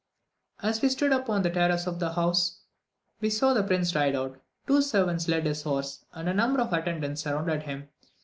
As we stood upon the terrace of the house, we saw the prince ride out. Two servants led his horse, and a number of attendants surrounded him.